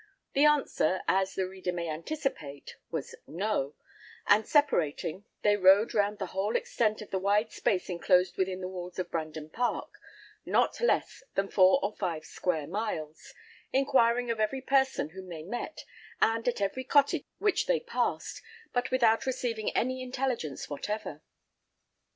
The answer, as the reader may anticipate, was, "No;" and separating, they rode round the whole extent of the wide space enclosed within the walls of Brandon Park not less than four or five square miles inquiring of every person whom they met, and at every cottage which they passed, but without receiving any intelligence whatever.